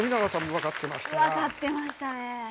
分かってましたね。